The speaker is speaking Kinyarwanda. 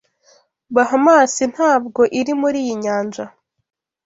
Bahamasi ntabwo iri muri iyi nyanja